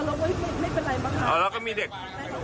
แล้วที่นังคือ๓คนแต่เด็กทรรก๑คนเป็น๔คน